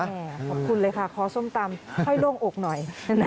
ขอบคุณเลยค่ะขอส้มตำให้โล่งอกหน่อย